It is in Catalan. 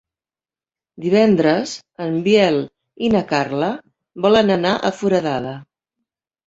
Divendres en Biel i na Carla volen anar a Foradada.